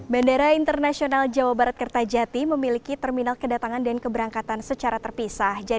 bandara internasional jawa barat kertajati memiliki terminal kedatangan dan keberangkatan secara terpisah